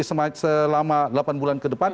selama delapan bulan ke depan